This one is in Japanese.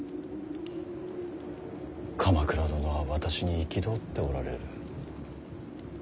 鎌倉殿は私に憤っておられる。